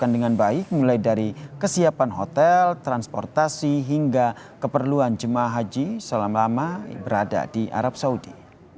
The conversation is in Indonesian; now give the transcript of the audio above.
dan dengan baik mulai dari kesiapan hotel transportasi hingga keperluan jemaah haji selama lama berada di arab saudi